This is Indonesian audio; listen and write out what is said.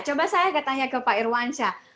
coba saya katanya ke pak irwansyah